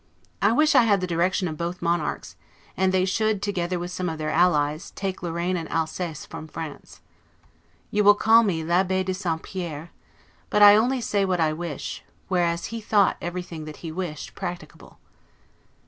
I wish I had the direction of both the monarchs, and they should, together with some of their allies, take Lorraine and Alsace from France. You will call me 'l'Abbe de St. Pierre'; but I only say what I wish; whereas he thought everything that he wished practicable.